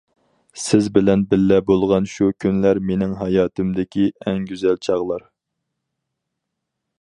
سىز بىلەن بىللە بولغان شۇ كۈنلەر مېنىڭ ھاياتىمدىكى ئەڭ گۈزەل چاغلار.